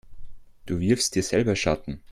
Du wirfst dir selber Schatten.